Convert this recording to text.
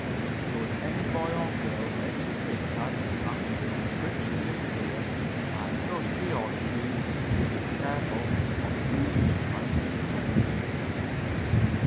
So if any boy or girl makes a tic tac after the description given here, I trust he or she will be careful on whom the prank is played.